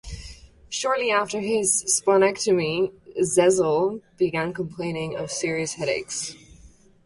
Shortly after his splenectomy, Zezel began complaining of serious headaches.